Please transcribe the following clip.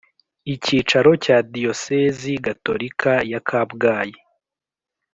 Icyicaro cya Diyosezi Gatolika ya Kabgayi